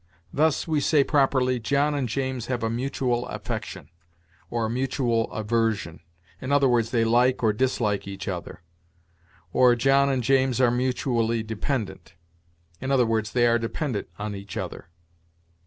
Thus, we say properly, "John and James have a mutual affection, or a mutual aversion," i. e., they like or dislike each other; or, "John and James are mutually dependent," i. e., they are dependent on each other.